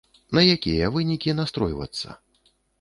На якія вынікі настройвацца?